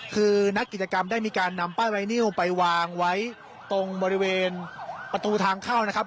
คือนักกิจกรรมได้มีการนำป้ายไวนิวไปวางไว้ตรงบริเวณประตูทางเข้านะครับ